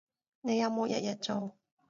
你有冇日日做